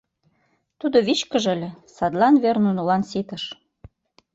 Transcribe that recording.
Тудо вичкыж ыле, садлан вер нунылан ситыш.